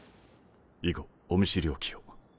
以後お見知りおきを。